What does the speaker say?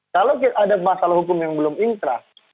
kalau ada masalah hukum yang belum inkrah